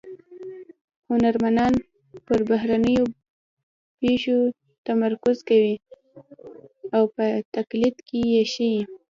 هنرمنان پر بهرنیو پېښو تمرکز کوي او په تقلید کې یې ښيي